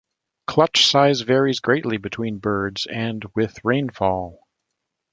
Clutch size varies greatly between birds and with rainfall.